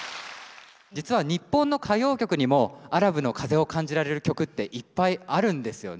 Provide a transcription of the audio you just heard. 実は日本の歌謡曲にもアラブの風を感じられる曲っていっぱいあるんですよね。